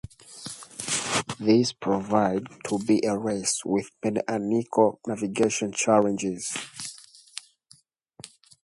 This proved to be a race with many unique navigational challenges.